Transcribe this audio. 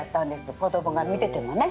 子供が見ててもね。